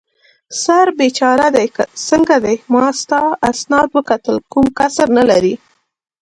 سر بېچاره دې څنګه دی؟ ما ستا اسناد وکتل، کوم کسر نه لرې.